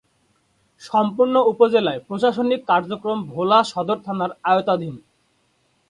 সম্পূর্ণ উপজেলার প্রশাসনিক কার্যক্রম ভোলা সদর থানার আওতাধীন।